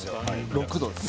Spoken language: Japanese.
６度です。